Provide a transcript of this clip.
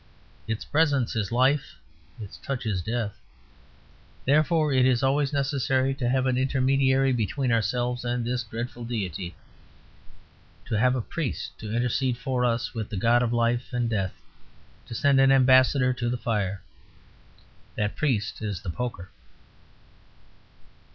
Its presence is life; its touch is death. Therefore, it is always necessary to have an intermediary between ourselves and this dreadful deity; to have a priest to intercede for us with the god of life and death; to send an ambassador to the fire. That priest is the poker.